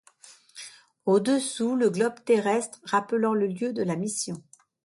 Au-dessous, le globe terrestre, rappelant le lieu de la mission.